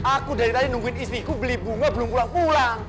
aku dari tadi nungguin istriku beli bunga belum pulang pulang